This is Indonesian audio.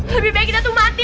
lebih baik kita tuh mati